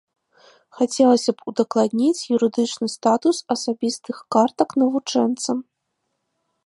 Хацелася б удакладніць юрыдычны статус асабістых картак навучэнца.